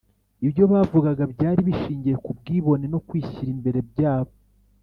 . Ibyo bavugaga byari bishingiye ku bwibone no kwishyira imbere byabo.